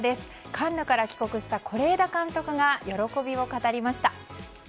カンヌから帰国した是枝監督が喜びを語りました。